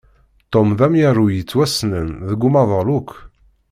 Tom d amyaru yettwassnen deg umaḍal akk.